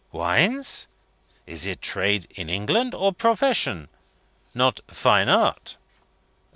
Wines? Is it trade in England or profession? Not fine art?"